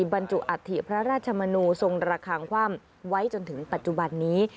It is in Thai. บรรจุอัฐิพระราชมนูทรงระคางคว่ำไว้จนถึงปัจจุบันนี้